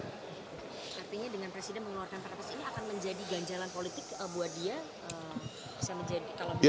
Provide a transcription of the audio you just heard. artinya dengan presiden mengeluarkan perpres ini akan menjadi ganjalan politik buat dia